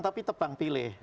tapi tebang pilih